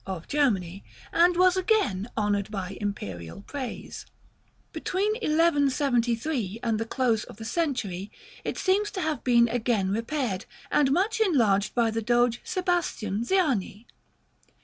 (of Germany), and was again honored by imperial praise. Between 1173 and the close of the century, it seems to have been again repaired and much enlarged by the Doge Sebastian Ziani.